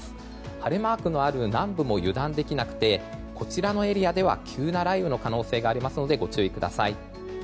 晴れマークのある南部も油断できなくてこちらのエリアでは急な雷雨の可能性がありますのでご注意ください。